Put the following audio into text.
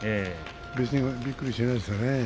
別にびっくりしないですよね。